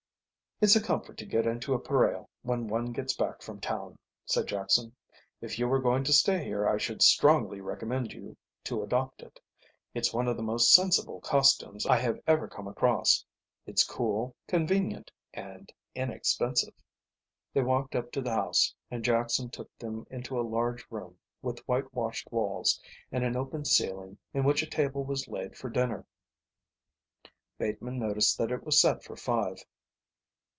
"It's a comfort to get into a pareo when one gets back from town," said Jackson. "If you were going to stay here I should strongly recommend you to adopt it. It's one of the most sensible costumes I have ever come across. It's cool, convenient, and inexpensive." They walked up to the house, and Jackson took them into a large room with white washed walls and an open ceiling in which a table was laid for dinner. Bateman noticed that it was set for five.